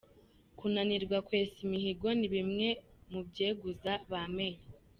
Kunanirwa kwesa imihigo ni bimwe mu byeguza ba Meya.